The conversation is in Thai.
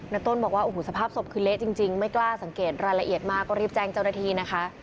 ต้นบอกว่าโอ้โหสภาพศพคือเละจริงไม่กล้าสังเกตรายละเอียดมากก็รีบแจ้งเจ้าหน้าที่นะคะ